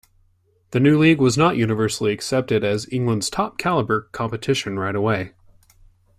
The new league was not universally accepted as England's top-calibre competition right away.